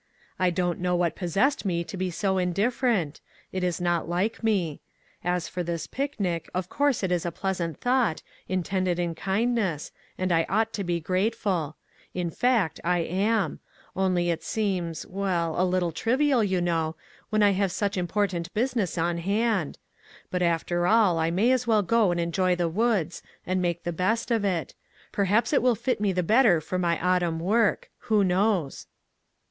"I don't know what possessed FROM MIDNIGHT TO SUNRISE. IQ me to be so indifferent; it is not like me. As for this picnic, of course it is a pleasant thought, intended in kindness, and I ought to be grateful ; in fact I am ; only it seems, well, a little trivial, you know, when I have such important business on hand; but, after all, I may as well go and enjoy the woods, and make the best of it; perhaps it will fit me the better for my autumn work; who knows